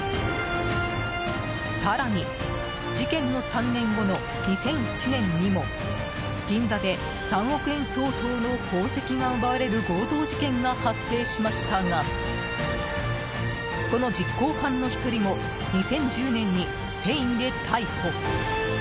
更に事件の３年後の２００７年にも、銀座で３億円相当の宝石が奪われる強盗事件が発生しましたがこの実行犯の１人も２０１０年にスペインで逮捕。